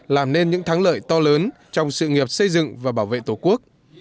làm nên những thắng lợi to lớn trong sự nghiệp xây dựng và bảo vệ tổ quốc